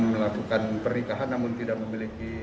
melakukan pernikahan namun tidak memiliki